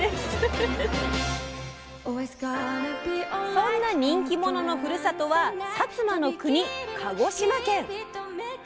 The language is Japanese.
そんな人気者のふるさとは薩摩の国鹿児島県。